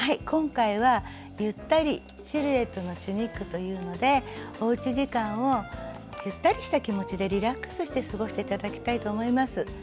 今回は「ゆったりシルエットのチュニック」というのでおうち時間をゆったりした気持ちでリラックスして過ごして頂きたいと思います。